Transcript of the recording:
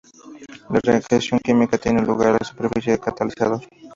La reacción química tiene lugar en la superficie del catalizador.